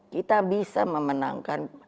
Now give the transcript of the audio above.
kita bisa memenangkan